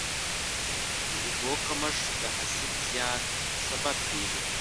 د اوبو کمښت د حاصل زیان سبب کېږي.